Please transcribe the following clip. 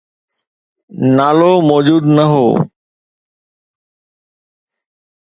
نالو موجود نه هو.